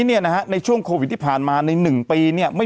เนี่ยนะฮะในช่วงโควิดที่ผ่านมาใน๑ปีเนี่ยไม่